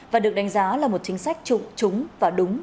và được đánh giá là một chính sách trụ trúng và đúng